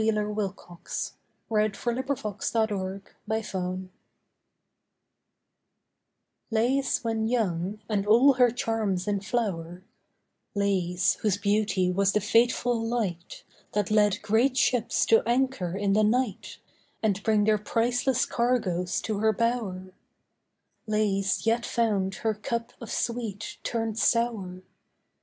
Helen, immortal in her beauty, lives. LAIS WHEN YOUNG Lais when young, and all her charms in flower, Lais, whose beauty was the fateful light That led great ships to anchor in the night And bring their priceless cargoes to her bower, Lais yet found her cup of sweet turned sour.